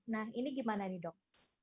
nah ini gimana nih dok